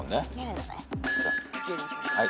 はい。